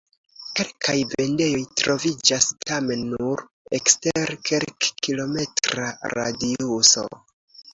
Kelkaj vendejoj troviĝas, tamen nur ekster kelkkilometra radiuso.